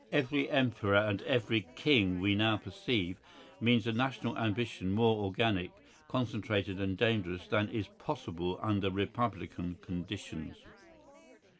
Every emperor and every king, we now perceive, means a national ambition more organic, concentrated and dangerous than is possible under Republican conditions.